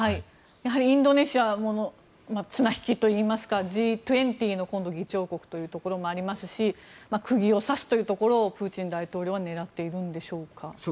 やはりインドネシアも綱引きといいますか今度Ｇ２０の議長国というところもありますし釘を刺すというところをプーチン大統領は狙っているんでしょうか。